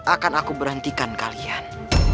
akan aku berhentikan kalian